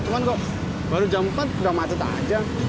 cuman kok baru jam empat udah macet aja